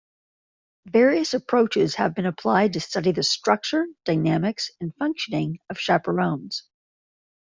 Various approaches have been applied to study the structure, dynamics and functioning of chaperones.